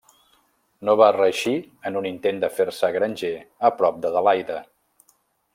No va reeixir en un intent de fer-se granger a prop d'Adelaide.